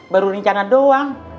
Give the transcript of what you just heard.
baru rencana doang